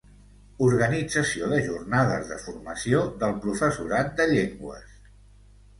Organització de jornades de formació del professorat de llengües.